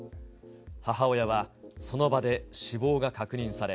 母親はその場で死亡が確認され、